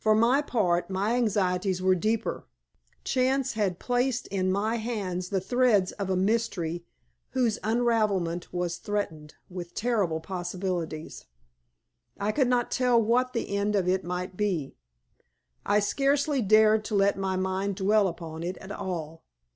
For my part, my anxieties were deeper. Chance had placed in my hands the threads of a mystery whose unravelment was threatened with terrible possibilities. I could not tell what the end of it might be. I scarcely dared to let my mind dwell upon it at all.